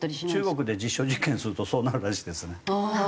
中国で実証実験するとそうなるらしいですね。